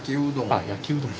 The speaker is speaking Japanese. あっ焼きうどん。